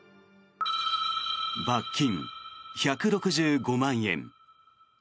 罰金１６５万円。